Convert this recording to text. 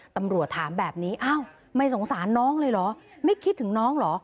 ตำรวจถามแบบนี้อ้าวไม่สงสารน้องเลยเหรอไม่คิดถึงน้องเหรอ